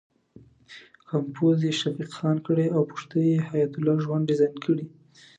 کمپوز یې شفیق خان کړی او پښتۍ یې حیات الله ژوند ډیزاین کړې.